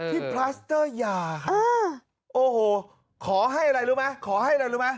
พลัสเตอร์ยาโอ้โหขอให้อะไรรู้ไหมขอให้อะไรรู้ไหม